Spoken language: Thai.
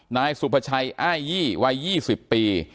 นายสุภาชัยอ้ายยี่วัย๒๐ปี